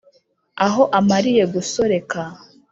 aho amariye gusoreka